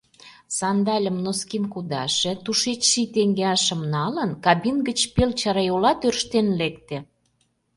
Сандальым, носким кудаше, тушеч ший теҥгеашым налын, кабин гыч пел чарайола тӧрштен лекте.